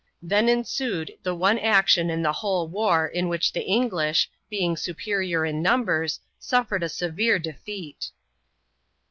Then ensued the one action in the whole war in which the English, being superior in numbers, suffered a severe defeat.